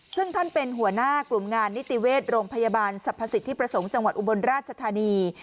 ซึ่งท่านเป็นหัวหน้ากลุ่มงานนิติเวชโรงพยาบาลสรรพสิทธิประสงค์จังหวัดอุบลราชธานี